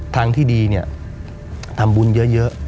ทางที่ดีเนี่ยทำบุญเยอะ